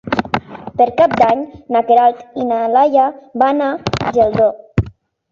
Per Cap d'Any na Queralt i na Laia van a Geldo.